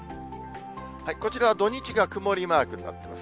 こちらは土日が曇りマークになってます。